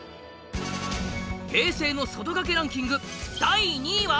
平成の外掛けランキング第２位は。